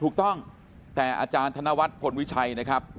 ถูกต้องแต่อาจารย์ธนวัฒน์พลวิชัยนะครับ